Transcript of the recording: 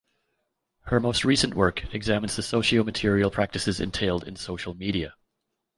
Her most recent work examines the sociomaterial practices entailed in social media.